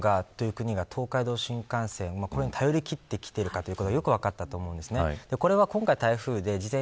いかに日本という国が東海道新幹線に頼りきっているということがよく分かったと思います。